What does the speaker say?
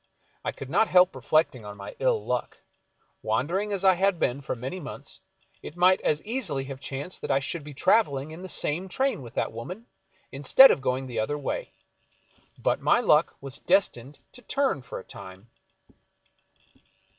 I could not help reflectir.j^ on my ill luck. Wandering as I had been for many months, it might as easily have chanced that I should be traveling in the same train with that woman, instead of going the other way. But my luck was destined to turn for a time.